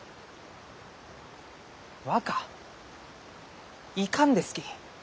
若いかんですき。